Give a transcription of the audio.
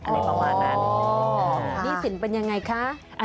หนี้สินเป็นยังไงคะ